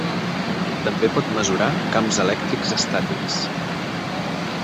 També pot mesurar camps elèctrics estàtics.